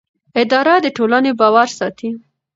اداره د ټولنې باور ساتي.